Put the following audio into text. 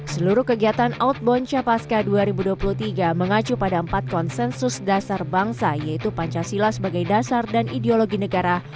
seluruh kegiatan outbound capaska dua ribu dua puluh tiga mengacu pada empat konsensus dasar bangsa yaitu pancasila sebagai dasar dan ideologi negara